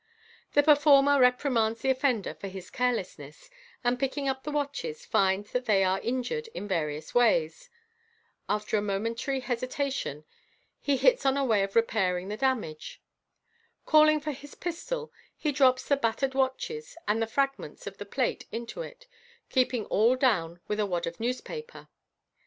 The per. former reprimands the offender for his carelessness, and picking up the watches, finds that they are injured in various ways. After a momentary hesitation, he hits on a way of repairing the damage. Oiling for his pistol, he drops the battered watches and the fragments of the plate into it, keeping all down with a wad of newspaper.